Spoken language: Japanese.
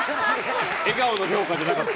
笑顔の評価じゃなかった。